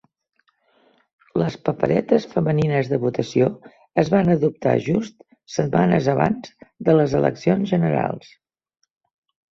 Les paperetes femenines de votació es van adoptar just setmanes abans de les eleccions generals.